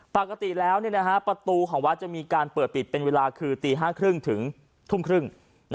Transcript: ปกติแล้วประตูของวัดจะมีการเปิดปิดเป็นเวลาคือตี๕๓๐ถึงทุ่มครึ่ง